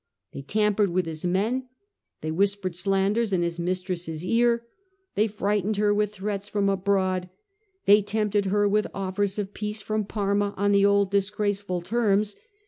They tampered with his men, they whis pered slanders in his mistress's ear, they frightened her with threats from abroad, they tempted her with offers of peace from Parma on the old disgraceful terms.